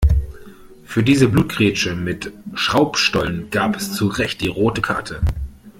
Für diese Blutgrätsche mit Schraubstollen gab es zurecht die rote Karte.